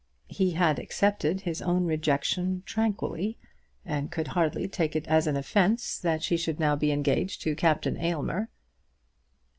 He had accepted his own rejection tranquilly, and could hardly take it as an offence that she should now be engaged to Captain Aylmer.